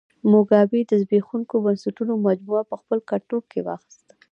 موګابي د زبېښونکو بنسټونو مجموعه په خپل کنټرول کې واخیسته.